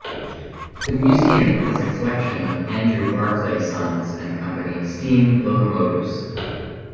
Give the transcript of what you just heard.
The museum has a collection of Andrew Barclay Sons and Company steam locomotives.